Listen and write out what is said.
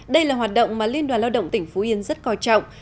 đây là hoạt động mà liên đoàn lao động tỉnh phú yên rất coi trọng